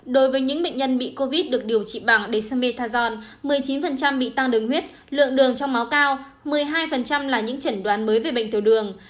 đối với những bệnh nhân bị covid được điều trị bằng dsametajon một mươi chín bị tăng đường huyết lượng đường trong máu cao một mươi hai là những chẩn đoán mới về bệnh tiểu đường